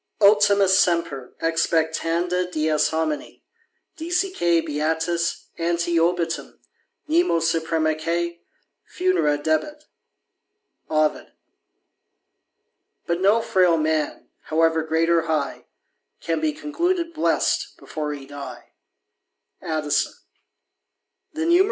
<( Ultima semper Expectanda dies hominiy dicique beatus Ante ohitum nemo supremaque funera debet, '^ Ovn>._ ^* But no frail man, however great or high, Can be concluded blest before he die."